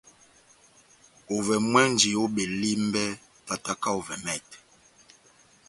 Ovɛ mwɛ́nji ó Belimbè, tátáka ovɛ mɛtɛ,